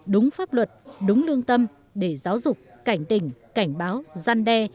đúng pháp luật đúng lương tâm để giáo dục cảnh tỉnh cảnh báo gian đe